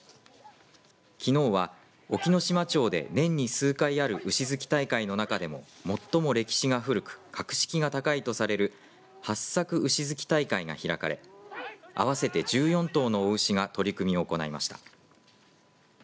きのうは隠岐の島町で年に数回ある牛突き大会の中でも最も歴史が古く格式が高いとされる八朔牛突き大会が開かれ合わせて１４頭の雄牛が取組を行いました。